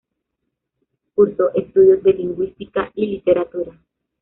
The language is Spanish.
Cursó estudios de lingüística y literatura.